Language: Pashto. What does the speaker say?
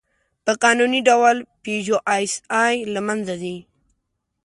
په قانوني ډول «پيژو ایسآی» له منځه ځي.